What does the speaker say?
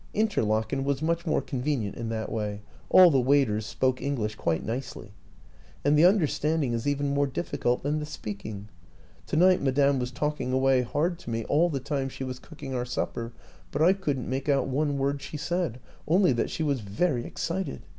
Interlaken was much more convenient in that way ; all the waiters spoke Eng lish quite nicely. And the understanding is even more difficult than the speaking. To night Ma dame was talking away hard to me all the time she was cooking our supper, but I couldn't make out one word she said only that she was very excited.